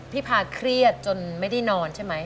พาเครียดจนไม่ได้นอนใช่ไหม